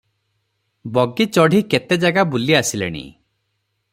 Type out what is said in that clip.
Bogie ଚଢ଼ି କେତେ ଜାଗା ବୁଲି ଆସିଲେଣି ।